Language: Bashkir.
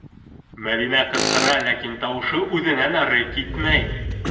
- Мәҙинә ҡысҡыра, ләкин тауышы үҙенән ары китмәй.